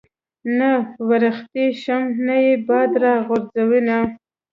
نه ورختی شم نه ئې باد را غورځوېنه